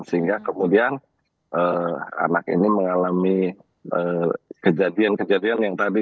sehingga kemudian anak ini mengalami kejadian kejadian yang tadi